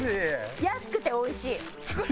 安くて美味しい。